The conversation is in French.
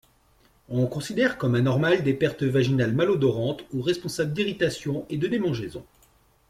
On considère comme anormales des pertes vaginales malodorantes ou responsables d'irritation et de démangeaison.